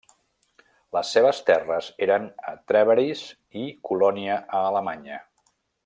Les seves terres eren a Trèveris i Colònia a Alemanya.